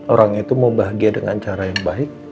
orang itu mau bahagia dengan cara yang baik